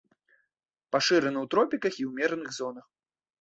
Пашыраны ў тропіках і ўмераных зонах.